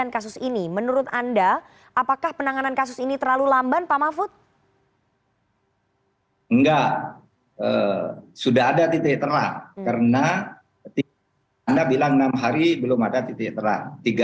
karena anda bilang enam hari belum ada titik terang